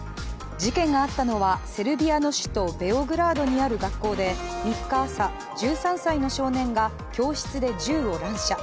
事件があったのはセルビアの首都ベオグラードにある学校で３日朝、１３歳の少年が教室で銃を乱射。